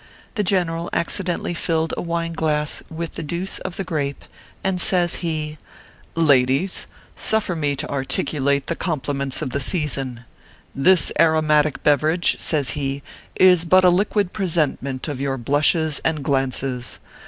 The general accidentally filled a wine glass with the deuce of the grape, and says he :" Ladies, suffer me to articulate the com pliments of the season. This aromatic beverage/ says he, " is. but a liquid presentment of your blushes and glances.